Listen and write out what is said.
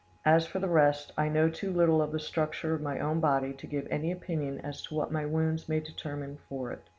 As for the rest, I know too little of the structure of my own body to give any opinion as to what my wounds may determine for it.